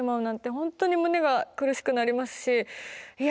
本当に胸が苦しくなりますしいや